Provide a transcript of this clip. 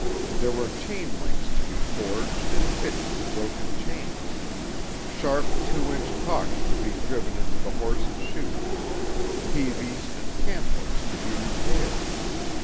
There were chain links to be forged and fitted to broken chains; sharp two inch calks to be driven into the horses' shoes, peaveys and cant hooks to be repaired.